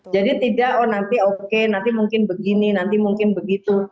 jadi tidak oh nanti oke nanti mungkin begini nanti mungkin begitu